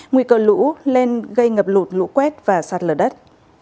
nguy cơ lũ lên gây ngập lụt lũ quét và sạt lở đất